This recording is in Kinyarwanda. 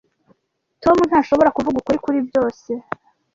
Tom ntashobora kuvuga ukuri kuri byose.